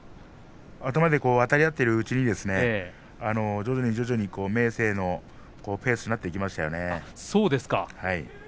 頭であたり合っているうちに徐々に明生のペースになっていきましたね。